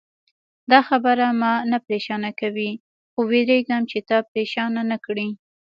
دا خبره ما نه پرېشانه کوي، خو وېرېږم چې تا پرېشانه نه کړي.